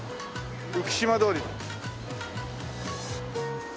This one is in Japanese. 浮島通り。